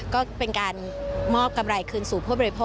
ก็เป็นการมอบกำไรคืนสู่ผู้บริโภค